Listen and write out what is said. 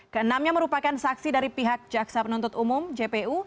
keenamnya merupakan saksi dari pihak jaksa penuntut umum jpu